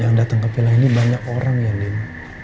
yang dateng ke pila ini banyak orang ya din